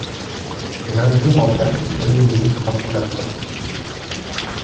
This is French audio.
L'un d'eux remplace le Premier ministre en son absence.